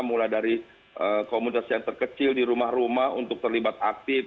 mulai dari komunitas yang terkecil di rumah rumah untuk terlibat aktif